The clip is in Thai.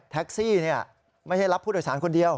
แท็กซี่ไม่ใช่รับผู้โดยสารคนเดียว